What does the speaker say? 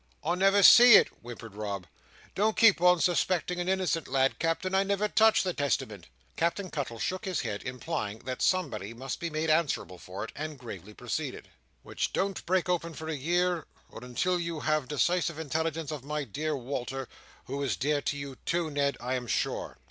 "I never see it," whimpered Rob. "Don't keep on suspecting an innocent lad, Captain. I never touched the Testament." Captain Cuttle shook his head, implying that somebody must be made answerable for it; and gravely proceeded: "'Which don't break open for a year, or until you have decisive intelligence of my dear Walter, who is dear to you, Ned, too, I am sure.